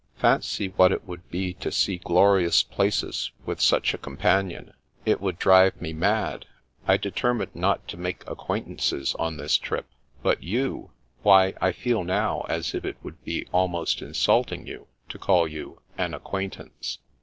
Fancy what it would be to see glorious places with such a companion ! It would drive me mad. I determined not to make acquaintances on this trip; but you — ^why, I feel now as if it would be almost insulting you to call you * an acquaintance.'